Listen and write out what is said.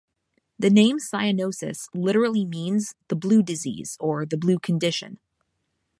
The name "cyanosis" literally means "the blue disease" or "the blue condition".